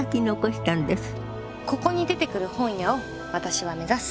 ここに出てくる本屋を私は目指す。